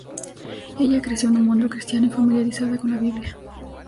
Ella creció en un mundo cristiano y familiarizada con la biblia.